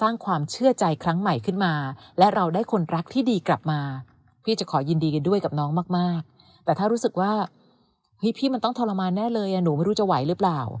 แน่เลยหนูไม่รู้จะไหวหรือเปล่า